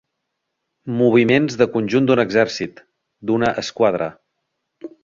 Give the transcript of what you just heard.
Moviments de conjunt d'un exèrcit, d'una esquadra.